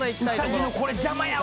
兎のこれ、邪魔やわ。